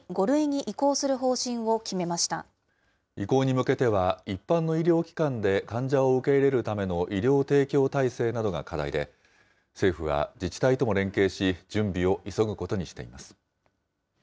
移行に向けては、一般の医療機関で患者を受け入れるための医療提供体制などが課題で、政府は自治体とも連携し、準備を急ぐことにしています。